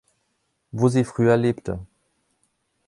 Wo sie früher lebte.